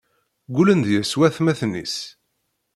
Ggullen deg-s watmaten-is.